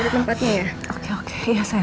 mau temenin aku ya